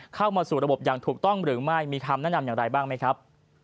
เข้ามาสู่ระบบอย่างถูกต้องหรือไม่มีคำแนะนำอย่างไรบ้างไหมครับ